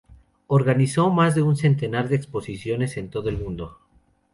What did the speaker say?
Organizó más de un centenar de exposiciones en todo el mundo.